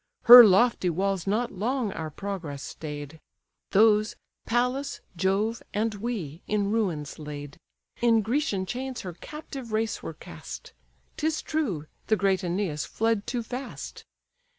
Her lofty walls not long our progress stay'd; Those, Pallas, Jove, and we, in ruins laid: In Grecian chains her captive race were cast; 'Tis true, the great Æneas fled too fast.